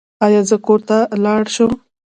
ایا زه کور ته لاړ شم؟